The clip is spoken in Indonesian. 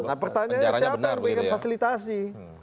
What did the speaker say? nah pertanyaannya siapa yang ingin fasilitasi